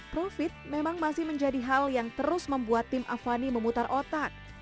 profit memang masih menjadi hal yang terus membuat tim avani memutar otak